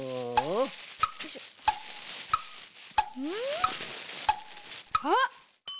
うん？あっ！